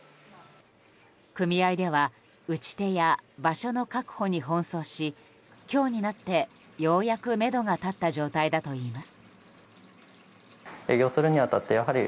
組合では打ち手や場所の確保に奔走し今日になって、ようやくめどが立った状態だといいます。